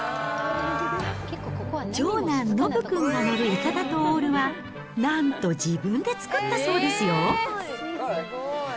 長男、のぶ君が乗るいかだとオールは、なんと自分で作ったそうですよ。